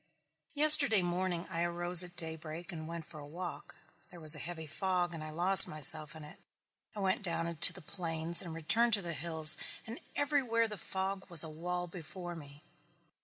Yesterday morning I arose at daybreak and went for a walk. There was a heavy fog and I lost myself in it. I went down into the plains and returned to the hills and everywhere the fog was as a wall before me.